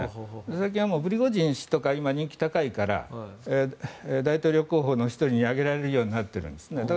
最近はプリゴジン氏とか今、人気高いから大統領候補の１人に挙げられるようになっているんですね。